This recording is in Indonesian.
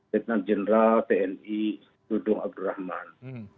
sekjen jenderal tni dudung abdurrahman